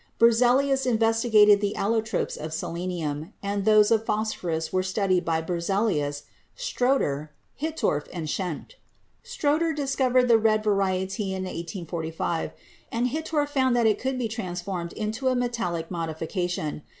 Berzelius investigated the allotropes of selenium, and those of phosphorus were studied by Berzelius, Schrotter, Hittorf and Schenck. Schrotter discovered the red variety in 1845, and Hittorf found that it could be transformed into a metallic modifi cation.